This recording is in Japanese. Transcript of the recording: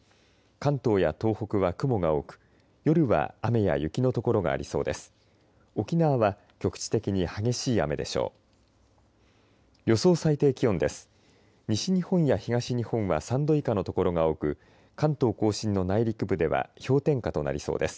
関東や東北は雲が多く夜は雨や雪の所がありそうです。